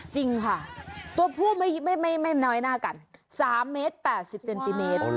จริงค่ะตัวผู้ไม่น้อยหน้ากัน๓เมตร๘๐เซนติเมตร